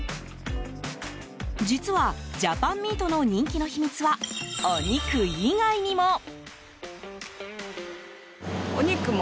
実はジャパンミートの人気の秘密は、お肉以外にも。